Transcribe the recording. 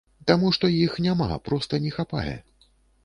Таму што іх няма, проста не хапае!